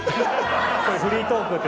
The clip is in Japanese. フリートークって。